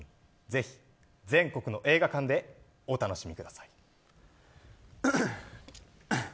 ぜひ、全国の映画館でお楽しみください。